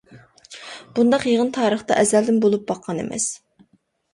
بۇنداق يىغىن تارىختا ئەزەلدىن بولۇپ باققان ئەمەس.